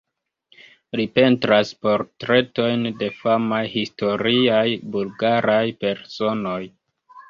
Li pentras portretojn de famaj historiaj bulgaraj personoj.